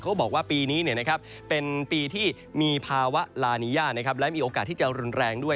เขาบอกว่าปีนี้เป็นปีที่มีภาวะลานีย่าและมีโอกาสที่จะรุนแรงด้วย